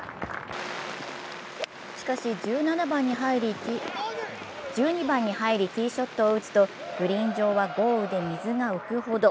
しかし、１２番に入りティーショットを打つとグリーン上は豪雨で水が浮くほど。